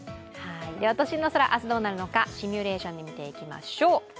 都心の空、明日どうなるのかシミュレーションで見ていきましょう。